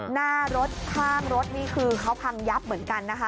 หน้ารถข้างรถนี่คือเขาพังยับเหมือนกันนะคะ